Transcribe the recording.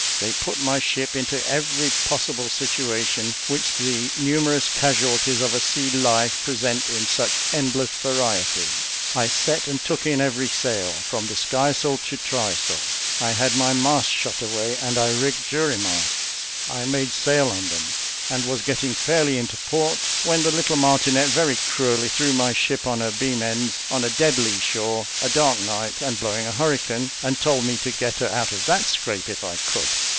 They put my ship into every possible situation which the numerous casualties of a sea life present in such endless variety. I set and took in every sail, from a sky sail to try sail. I had my masts shot away, and I rigged jury masts: I made sail on them, and was getting fairly into port, when the little martinet very cruelly threw my ship on her beam ends on a dead lee shore, a dark night, and blowing a hurricane, and told me to get her out of that scrape if I could.